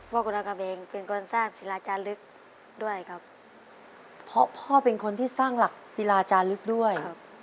ว่าคุณอากรรมเองเป็นคนสร้างศิลาจาลึกด้วยครับเพราะพ่อเป็นคนที่สร้างหลักศิลาจาลึกด้วย